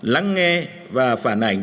lắng nghe và phản ảnh